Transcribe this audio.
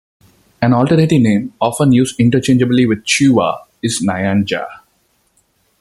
An alternative name, often used interchangeably with Chewa, is Nyanja.